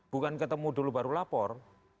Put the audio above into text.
bukan ketemu dulu baru lapor